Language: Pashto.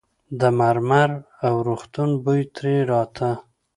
د مرمر او روغتون بوی ترې راته.